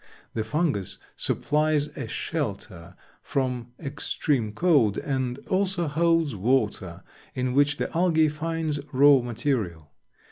The Fungus supplies a shelter from extreme cold, and also holds water in which the Algae finds raw material.